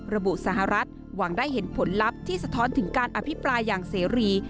สหรัฐหวังได้เห็นผลลัพธ์ที่สะท้อนถึงการอภิปรายอย่างเสรี